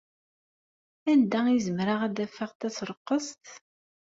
Anda ay zemreɣ ad d-afeɣ tasreqqest?